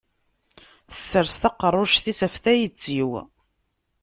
Tessers taqerruct-is ɣef tayet-iw.